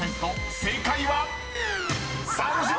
［正解は⁉］